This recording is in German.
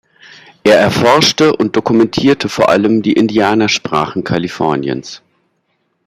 Er erforschte und dokumentierte vor allem die Indianersprachen Kaliforniens.